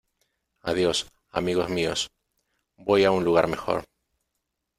Adiós, amigos míos. Voy a un lugar mejor .